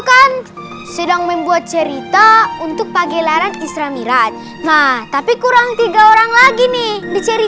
kan sedang membuat cerita untuk pagi larang istramiran maaf tapi kurang tiga orang lagi nih di